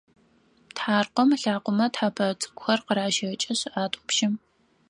Тхьаркъом ылъакъомэ тхьэпэ цӏыкӏухэр къаращэкӏышъ атӏупщы.